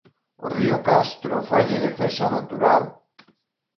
O río Castro fai de defensa natural.